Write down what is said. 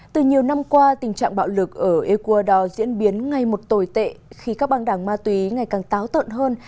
từ nhiều năm qua tình trạng bạo lực ở ecuador diễn biến ngay một tồi tệ khi các băng đảng ma túy ngày càng táo tợn hơn